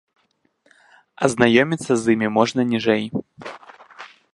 Азнаёміцца з імі можна ніжэй.